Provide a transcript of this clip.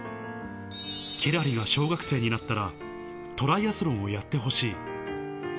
輝星が小学生になったら、トライアスロンをやってほしい。